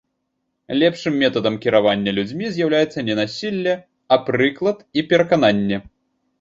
Лепшым метадам кіравання людзьмі з'яўляецца не насілле, а прыклад і перакананне.